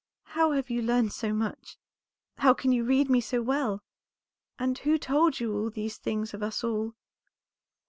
How have you learned so much? How can you read me so well? and who told you these things of us all?"